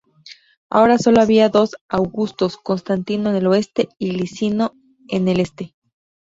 Ahora sólo había dos augustos: Constantino en el oeste y Licinio en el este.